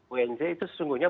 unj itu sesungguhnya